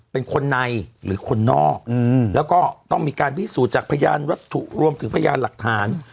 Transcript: เป็นคนในหรือคนนอกแล้วก็ต้องมีการพิสูจน์จากพยานวัตถุรวมถึงพยานหลักฐาน